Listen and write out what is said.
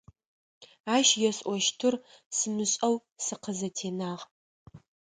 Ащ есӀощтыр сымышӀэу сыкъызэтенагъ.